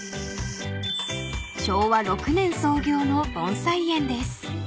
［昭和６年創業の盆栽園です］